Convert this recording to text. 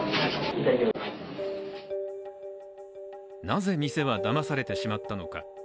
なぜ店はだまされてしまったのか。